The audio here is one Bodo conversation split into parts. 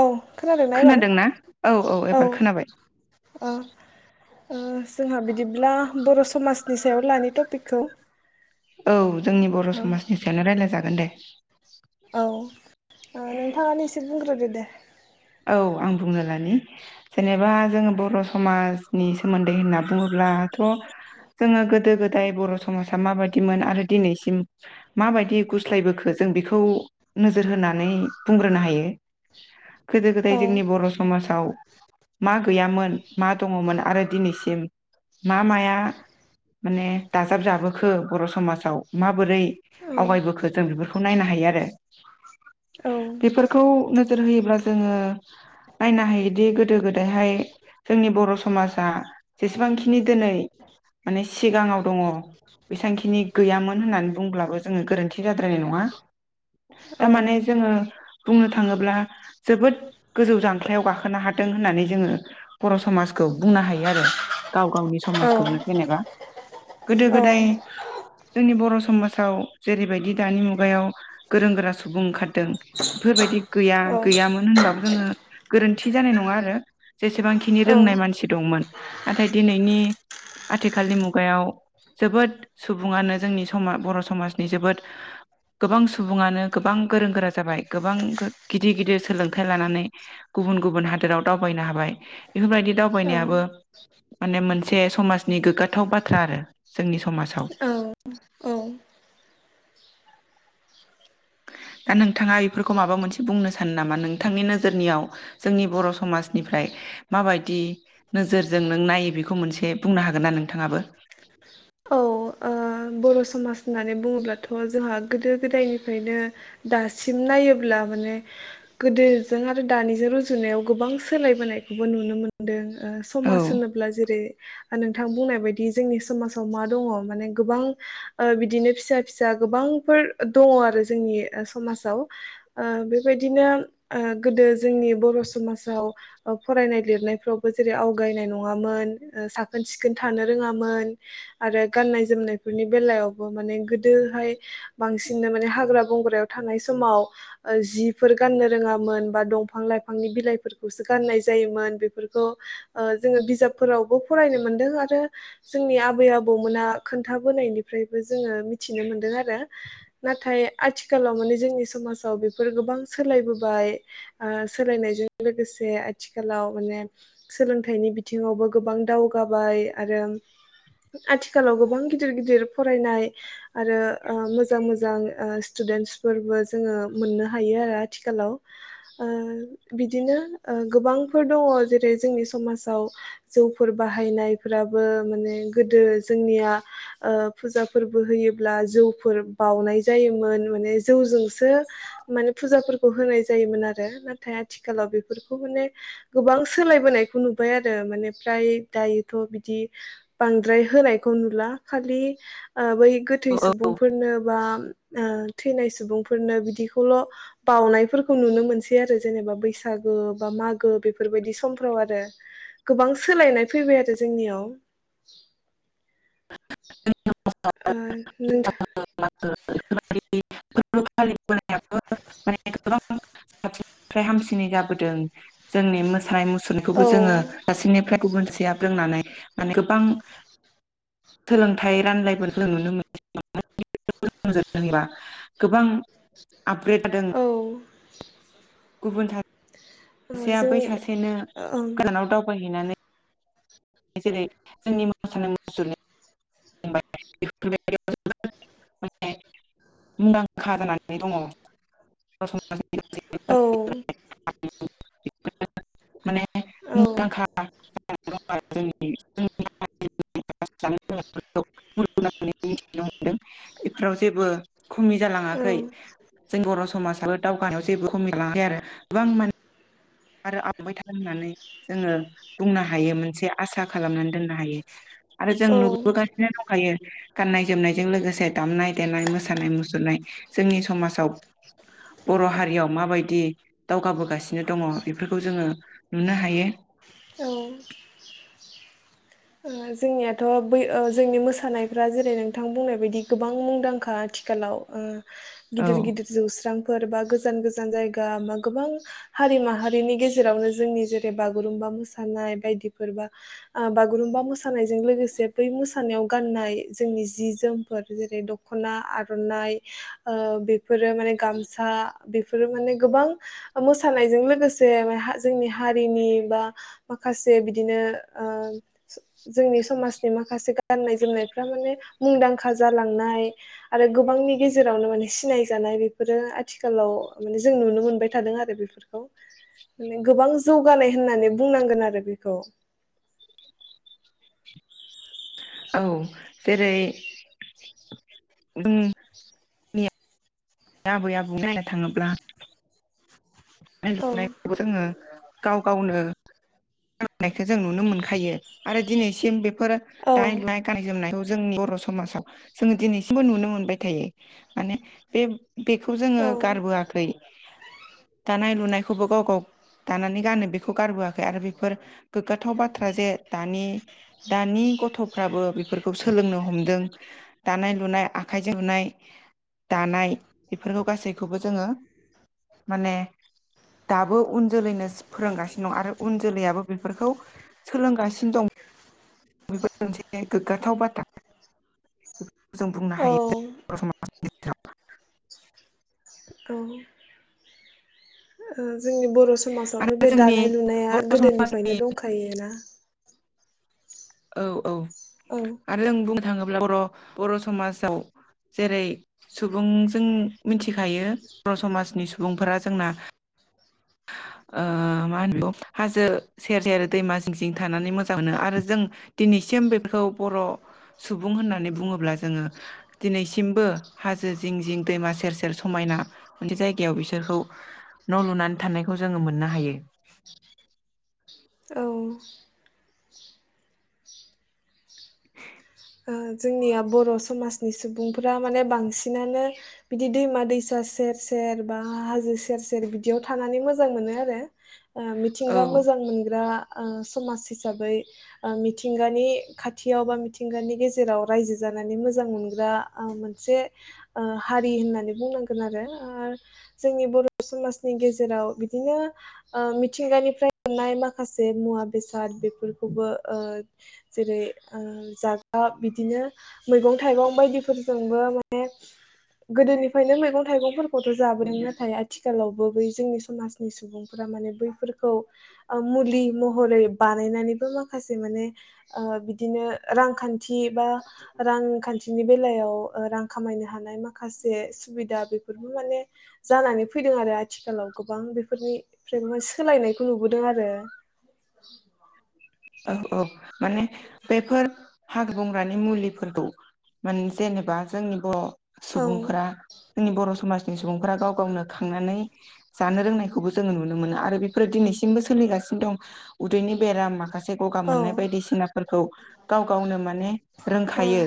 औ खोनादोंना एबार औ औ एबार खोनाबाय ओ-ओ जोंहा बिदिब्ला बर' समाजनि सायाव लानि टपिकखौ औ जोंनि बर' ओ समाजनि सायावनो रायलाय [unintelligible] औ ओ नोंथाङा नोंसोर बुंग्रोदो दे औ आं बुंना लानि जेनेबा जोङो बर' समाजनि सोमोन्दै होनना बुङोब्लाथ' जोंङो गोदो गो दाय बर' समाजा माबादिमोन आरो दिनैसिम माबायदि गुस्लायबोखो जों बेखौ नोजोर होनानै बुंग्रोनो हायो गोदो - गोदाय औ जोंनि बर' समाजाव मा गैयामोन मा दङमोन आरो दिनैसिम मा माया माने दाजाब जाबोखो बर' समाजाव मा बोरै औ आवगायबोखो जों बेफोरखौ नायनो हायो आरो औ [unintelligible] बेफोरखौ नोजोर होयोब्ला जोङो नायनो हायोदि गोदो- गोदायहाय जोंनि बर' समाज आ जेसेबांखिनि दिनै माने सिगाङाव दङ बेसेबांखिनि गैयामोन होननानै बुंब्लाबो जोङो गोरोन्थि जाद्रायनाय नङा थारमाने जोङो बुंनो थाङोब्ला जोबोद गोजौ जांख्लायाव गाखोनो हाथों होननानै जोङो बर' समाजखौ बुंनो हायो आरो गाव - गावनि औ समाजखौनो जेनेबा गोदो- गोदाय जोंनि बर' समाजाव जेरैबायदि दानि मुगायाव गोरों गोरा सुबुं ओंखारदों बेफोरबायदि गैया औ गैयामोन होनबाबो जोङो गोरोन्थि जानाय नङा आरो जेसेबांखिनि रोंनाय मानसि दंमोन नाथाय दिनैनि आथिखालनि मुगायाव जोबोद सुबुङानो जोंनि समा बर' समाजनि जोबोद गोबां सुबुङानो गोबां गोरों गोरा जाबाय गोबां गो गिद गिदिर गिदिर सोलोंथाइ लानानै गुबुन गुबुन हादोराव दावबायनो हाबाय बेफोरबायदि दावबायनायाबो माने मोनसे समाजनि गोग्गाथाव बाथ्रा आरो जोंनि समाजाव औ औ दा नोंथाङा बेफोरखौ माबा मोनसे बुंनो सानो नामा नोंथांनि नोजोरनियाव जोंनि बर' समाजनिफ्राय माबायदि नोजोरजों नों नायो बेखौ मोनसे बुंनो हागोन ना नोंथाङाबो औ ओ बर' समाज होननानै बुङोब्लाथ' जोंहा गोदो गोदायनिफ्रायनो दासिम नायोब्ला माने गोदोजों आरो दानिजों रुजुनायाव गोबां सोलायबोनायखौबो नुनो मोनदों ओ औ समाज होनोब्ला जेरै नोंथां बुंनाय बायदि जोंनि समाज मा दंङ माने गोबां बिदिनो फिसा फिसा गोबांफोर दंङ आरो जोंनि समाजाव बेबायदिनो गोदो जोंनि बर' समाजाव फरायनाय लिरनायफ्रावबो जेरै आवगायनाय नङामोन साखोन सिखोन थानो रोङामोन आरो गाननाय जोमनायफोरनि बेलायावबो माने गोदोहाय बांसिननो माने हाग्रा बंग्रायाव थानाय समाव जिफोर गाननो रोङामोन बा दंफां लाइफांनि बिलाइफोरखौसो गाननाय जायोमोन बेफोरखौ जोङो बिजाबफोरावबो फरायनो मोनदों आरो जोंनि आब आबै आबौमोना खोन्थाबोनायनिफ्रायबो जोङो मिथिनो मोनदों आरो नाथाय आथिखालाव माने जोंनि समाजाव बेफोर गोबां सोलायबोबाय सोलायनायजों लोगोसे आथिखालाव माने सोलोंथाइनि बिथिङावबो गोबां दावगाबाय आरो आथिखालाव गोबां गिदिर गिदिर फरायनाय आरो ओ मोजां मोजां स्टुडेन्टसफोरबो जोङो मोननो हायो आरो आथिखालाव बिदिनो गोबांफोर दंङ जेरै जोंनि समाजाव जौफोर बाहायनायफ्राबो माने गोदो जोंनिया फुजाफोरबो होयोब्ला जौफोर बउनाय जायोमोन माने जौजोंसो माने फुजाफोरखौ होनाय जायोमोन आरो नाथाय आथिखालाव बेफोरखौ माने गोबां सोलायबोनायखौ नुबाय आरो माने फ्राय दायोथ' बिदि बांद्राय होनायखौ नुला खालि बै गोथै सुबुंफोरनो बा थैनाय सुबुंफोरनो बिदिखौल' बावनायफोरखौ नुनो मोनसै आरो जेनेबा बैसागो बा मागो बेफोरबायदि समफ्राव आरो गोबां सोलायनाय फैबाय आरो जोंनियाव [inaudible] [unintelligible] [inaudible] ओ नोंथा [unintelligible] मानम [unintelligible] साबसिननिफ्राय हामसिनै जाबोदों जोंनि मोसानाय मुसुर सुनिखौबो औ जोङो सासिनिफ्राय गुबुनसेया रोंनानै माने गोबां सोलोंथाइ रानलायफोरखौ नुनो मोनबा [inaudible] गोबां आपग्रेद दों औ ओ गुबुन थारि सासेया बै जोंनि सासेनो ओं गोदानाव दावबायहैनानै जेरै जोंनि मोसानो मुसुर [inaudible] बेफोरबायदि माने मुंदांखा जानानै दंङ औ ए [unintelligible] माने मुंदांखा औ [unintelligible] थि मोन बेफोराव जेबो [unintelligible] खमि औ जालांङाखै जों बर' समाजाबो दावगानायाव जेबो खमिलांआखै आरो गोबां माने आरो आंबाय थार होननानै जोंङो बुंनो हायो मोनसे आसा खालामनानै। दोननो हायो आरो जों औ नुबोगासिनो दंखायो गाननाय जोमनायजों लोगोसे दामनाय देनाय मोसानाय मुसुरनाय जोंनि समाजाव बर' हारियाव माबायदि दावगाबोगासिनो बिनो दंङ। जोङो नुनो हायो। औ ओ जोंनियाथ' बै ओ जोंनि मोसानायफ्रा जेरै नोंथां बुंनाय बायदि गोबां मुंदांखा आथिखालाव ओ औ गिदिर गिदिर जौस्रां फोर बा गोजान गोजान जायगा बा गोबां हारि माहारिनि गेजेरावनो जोंनि जेरै बागुरुमबा मोसानाय बायदिफोर बा आ बागुरुमबा मोसानायजों लोगोसे बै मोसानायाव गाननाय जोंनि जि जोमफोर जेरै दख'ना आर'नाइ ओ बे बेफोरो माने गामसा बेफोरो माने गोबां ओ मोसानायजों लोगोसे जोंनि हारिनि बा माखासे बिदिनो ओ जोंनि समाजनि माखासे गाननाय जोमनायफ्रा माने मुंदांखा जालांनाय आरो गोबांनि गेजेरावनो माने सिनाय जानाय बेफोरो आथिखालाव माने जों नुनो मोनबाय थादों आरो बेफोर बिफोरखौ माने गोबां जौगानाय होननानै बुंनांगोन आरो बेखौ औ जेरै [unintelligible] आबै आबौ नायना थाङोब्ला। दानाय औ लुनाय फोरखौबो जोङो गाव गावनो नायखौ जों नुनो मोनखायो आरो दिनैसिम बे [unintelligible] औ [unintelligible] जों बर' समाजाव जोंङो दिनैसिमबो नुनो मोनबाय थायो माने बे बेखौ जोङो औ गारबोआखै [inaudible] दानाय लुनायखौबो गाव गाव दानानै गानो बेखौ गारबोआखै आरो बेफोर गोग्गाथाव बाथ्रा जे दानि दानि गथ' फाबो बेफोरखौ सोलोंनो हमदों। दानाय लुनाय आखाइ जोबनाय दानाय बेफोरखौ गासैखौबो जोङो माने दाबो उन जोलैनो फोरोंगासिनो दं आरो उन जोलैयाबो बेफोरखौ सोलोंगासिनो दं। बेफोर मोनसे गोग्गाथाव बाथ्रा जों बुंनो औ हायो बर' समाज इथ [unintelligible] औ ओ जोंनि बर' समाजावथ' आरो बे जोंनि दानाय लुनाया बर' समाजनि गोदोनिफ्रायनो दंखायो ना। औ औ औ आरो आं बुङो। थाङोब्ला बर' बर'समाजाव जेरै सुबुंजों मिन्थिखायो बर' समाजनि सुबुंफोरा जोंना ओ मा होनो बेखौ हाजो सेर सेर दैमा जिं जिं थानानै मोजां मोनो आरो जों दिनैसिम बेफोरखौ बर' सुबुं होननानै बुङोब्ला जोङो दिनैसिमबो हाजो जिं जिं दैमा सेर सेर समायना मोनसे जायगायाव बिसोरखौ न' लुनानै थानायखौ जोङो मोननो हायो। औ ओ जोंनिया बर' समाज नि सुबुंफोरा माने बांसिनानो बिदि दैमा दैसा सेर सेर बा हाजो सेर सेर बिदियाव थानानै मोजां मोनो आरो ओ मिथिंगा औ मोजां मोनग्रा ओ समाज हिसाबै ओ मिथिंगानि खाथियाव बा मिथिंगानि गेज जेराव रायजो जानानै मोजां मोनग्रा ओ मोनसे ओ हारि होननानै बुंनांगोन आरो ओ जोंनि बर' समाजनि गेजेराव बिदिनो ओ मिथिंगानिफ्राय मोननाय माखासे मुवा बेसाद बेफोरखौबो ओ जेरै ओ जाग गा बिदिनो मैगं थाइगं बायदिफोरजोंबो माने गोदोनिफ्रायनो मैगं थाइगंफोरखौथ' जाबोदों नाथाय आथिखालावबो बै जोंनि समाजनि सुबुंफोरा माने बैफोरखौ ओ मुलि महरै बानायनानैबो माखासे माने ओ बिदिनो रांखान्थ थिबा रांखान्थि बिनि बेलायाव रां खामायनो हानाय माखासे सुबिदा बेफोरनो माने जानानै फैदों आरो आथिखालाव गोबां बेफोरनि फ्राय मोस सोलायनायखौ नुबुदों आरो औ औ माने बेफोर हाग्रा बंग्रानि मुलिफोरखौ मोन जेनेबा जोंनि बर' औ सुबुंफोरा जोंनि बर' समाजनि सुबुंफोरा गाव गावनो खांनानै जानो रोंनाय नायखौबो जोङो नुनो मोनो आरो बेफोरो दिनैसिमबो सोलिगासिनो दं। उदैनि बेरामा खासे गगा औ मोननाय बायदिसिनाफोरखौ गाव गावनो माने औ रोंखायो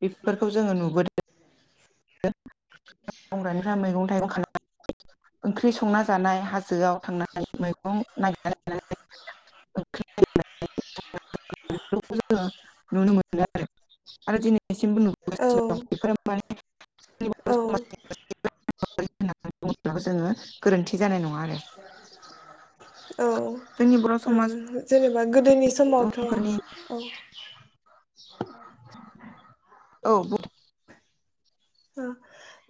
बेफ बेफोरखौ जोङो नुबोदों। ओ मावग्रानिफ्राय मैगं थाइगं खाना [unintelligible] ओंख्रि संना जानाय हाजोआव थांनाय मैगं नायगिरना [unintelligible] बेफोरखौ जोंङो नुनो मोनो आरो दिनैसिमबो नुबुगासिनो दं बेफोरो माने औ [unintelligible] बुङो रागो जोङो गोरोन्थि जानाय नङा। आरो ए [unintelligible] औ जोंनि बर' समाज ओम जेनेबा गोदोनि समावथ' फोरनि औ औ ओ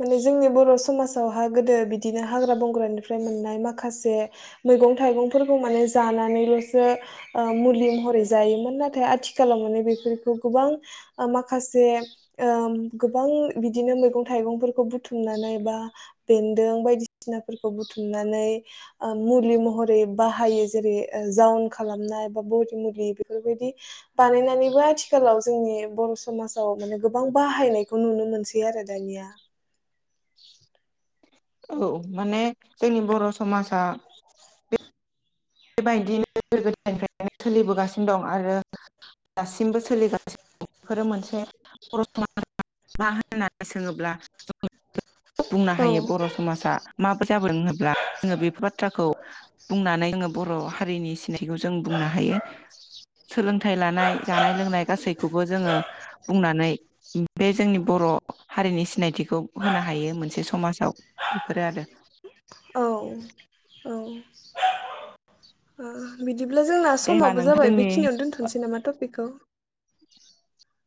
माने जोंनि बर' समाजावहा गोदो बिदिनो हाग्रा बंग्रानिफ्राय मोननाय माखासे मैगं थाइगंफोरखौ माने जानानैल'सो ओ मुलि महरै जायोमोन नाथाय आथिखालाव माने बेफोरखौ गोबां ओ माखासे ओम गोबां बिदिनो मैगं थाइगंफोरखौ बुथुमनानै बा बेन्दों बायदिसिनाफोरखौ बुथुमनानै ओ मुलि महरै बाहायो जेरै ओ जाउन खालामनाय बा बरि मुलि बेफोरबायदि बानायनानैबो आथिखालाव जोंनि बर' समाजाव माने गोबां बाहायनायखौ नुनो मोनसै। सै आरो दानिया औ माने जोंनि बर' स समाजा बे बेबायदिनो गोदो गोदोनिफ्रायनो सोलिबोगासिनो दं आरो दासिमबो सोलिगासिनो दं। फोरो मोनसे [unintelligible] मा होननानै सोङोब्ला जों [unintelligible] बुंनो औ हायो। बर' समाजा माबो [unintelligible] जाबोदों होनोब्ला जोङो बेफोर बाथ्राखौ बुंनानै जोङो बर' हारिनि सि नायखौ जों बुंनो हायो। सोलोंथाइ लानाय जानाय लोंनाय गासैखौबो जोङो बुंनानै बे जोंनि बर' हारिनि सिनायथिखौ होनो हायो मोनसे समाजाव। बेफोरो आरो। औ औ ओ बिदिब्ला जोंना दे होमबा समावबो नोंथां जाबाय जोंनि बेखिनियावनो दोनथ'नोसै नामा टपिकखौ?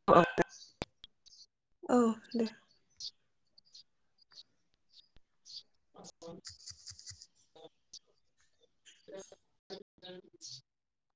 अ [unintelligible] औ दे [unintelligible] [unintelligible]